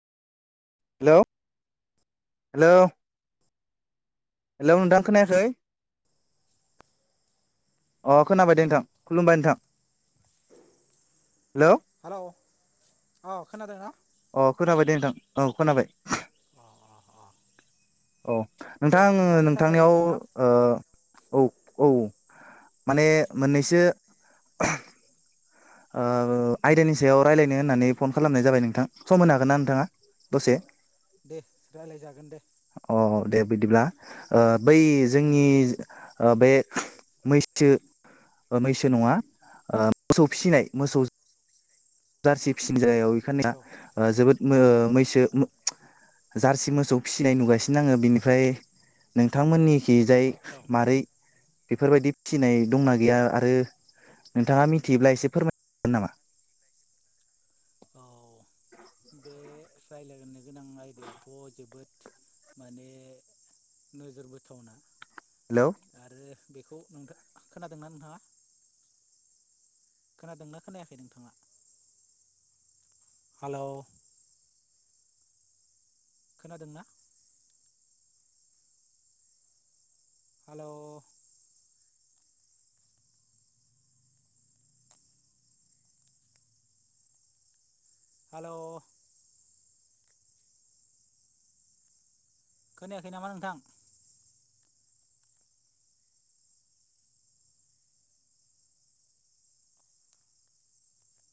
hello hello hello नोंथां खोनायाखै अ खोनाबाय दे नोंथां खुलुमबाय नोंथां हेलौ हेलौ अ खोनादोंना अ खोनाबाय दे नोंथां औ खोनाबाय अ अ अ औ नोंथां आो नोंथांनियाव नोंथां औ औ माने मोननैसो आयदानि सायाव रायज्लायनो होननानै फन खालामनाय जाबाय नोंथां सम होनो हागोन ना नोंथाङा दसे दे रायलाय जागोन दे अ दे बिदिब्ला बै उम जोंनि बे मैसो मैसो नङा मोसौ फिसिनाय मोसौ औ जारसि फिसिनजायाव बेखानिया औ जोबोद मैसो औ जारसि मोसौ फिसिनाय नुगासिनो आङो बिनिफ्राय नोंथांमोननिखिजाय औ मारोरै बेफोरबायदि फिनाय दंना गैया आरो नोंथाङा मिथि थब्ला एसे फोरमायगोन नामा औ बे रायलायनो गोनां आयदायाथ' जोबोद माने नोजोर बोथावना हेलौ आरो बेखौ नोंथ खोनादोंना नोंथाङा खोनादोंना खोनायाखै नोंथाङा हेलौ खोनादोंना हेलौ हेलौ खोनायाखै नामा नोंथां